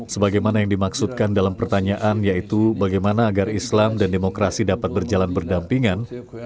sebagaimana yang dimaksudkan dalam pertanyaan yaitu bagaimana agar islam dan demokrasi dapat berjalan berdampingan